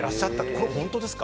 これ本当ですか？